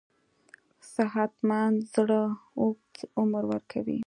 صحتمند زړه اوږد عمر ورکوي.